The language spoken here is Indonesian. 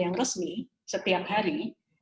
yang resmi setiap hari